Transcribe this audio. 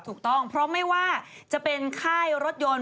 ถูกต้องเพราะไม่ว่าจะเป็นค่ายรถยนต์